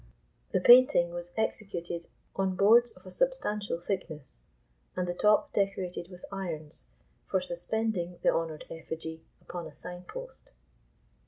The painting was executed on boards of a substantial thickness, and the top decorated with irons, for suspending the honoured effigy upon a signpost.